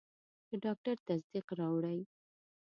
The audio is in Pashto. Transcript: د ډاکټر تصدیق راوړئ.